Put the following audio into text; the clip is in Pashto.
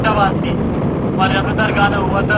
خپل نصیب ده راوستلې د پانوس لمبه پلمه ده